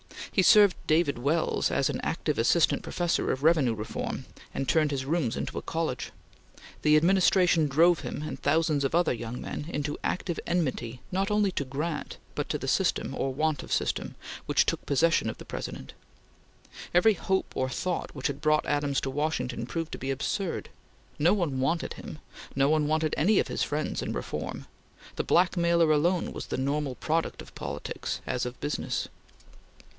He served David Wells as an active assistant professor of revenue reform, and turned his rooms into a college. The Administration drove him, and thousands of other young men, into active enmity, not only to Grant, but to the system or want of system, which took possession of the President. Every hope or thought which had brought Adams to Washington proved to be absurd. No one wanted him; no one wanted any of his friends in reform; the blackmailer alone was the normal product of politics as of business.